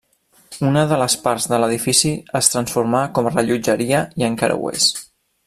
Una de les parts de l'edifici es transformà com a rellotgeria i encara ho és.